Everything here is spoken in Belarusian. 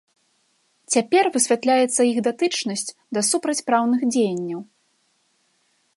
Цяпер высвятляецца іх датычнасць да супрацьпраўных дзеянняў.